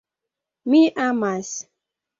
Mi amas.